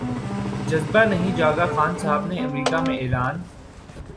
جذبہ نہیں جاگا خان صاحب نے امریکہ میں اعلان